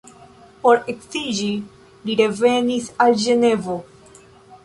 Por edziĝi li revenis al Ĝenevo.